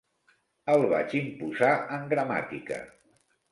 El vaig imposar en gramàtica.